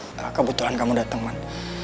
roman kebetulan kamu datang man